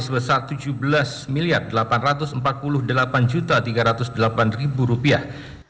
satu terdakwa jonny jerat pelate sebesar tujuh belas delapan ratus empat puluh delapan tiga ratus delapan rupiah